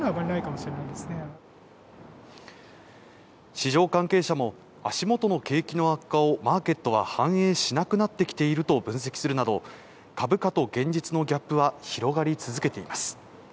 市場関係者も足元の景気の悪化をマーケットは反映しなくなってきていると分析するなど株価と現実のギャップは広がり続けています。